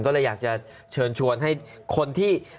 ก็เลยอยากจะเชิญชวนให้คนที่